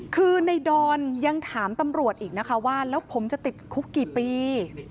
คือในดอนยังถามตำรวจอีกนะคะว่าแล้วผมจะติดคุกกี่ปี